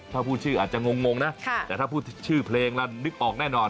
ถ้าพูดชื่ออาจจะงงนะแต่ถ้าพูดชื่อเพลงแล้วนึกออกแน่นอน